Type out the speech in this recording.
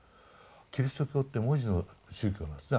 キリスト教って文字の宗教なんですね